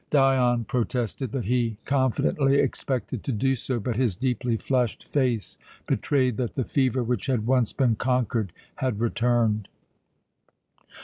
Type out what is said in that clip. Dion protested that he confidently expected to do so, but his deeply flushed face betrayed that the fever which had once been conquered had returned.